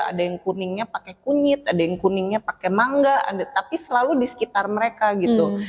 ada yang kuningnya pakai kunyit ada yang kuningnya pakai mangga tapi selalu di sekitar mereka gitu